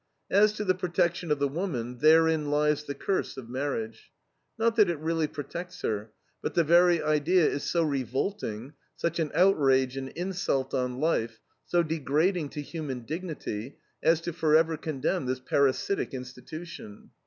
As to the protection of the woman, therein lies the curse of marriage. Not that it really protects her, but the very idea is so revolting, such an outrage and insult on life, so degrading to human dignity, as to forever condemn this parasitic institution.